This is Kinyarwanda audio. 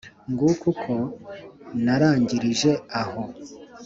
nguko uko narangirije aho. ”